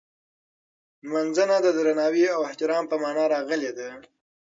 نمځنه د درناوي او احترام په مانا راغلې ده.